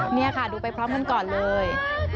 นี่ค่ะดูไปพร้อมกันก่อนเลย